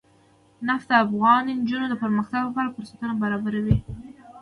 نفت د افغان نجونو د پرمختګ لپاره فرصتونه برابروي.